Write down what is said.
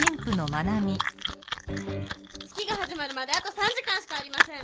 式が始まるまであと３時間しかありません。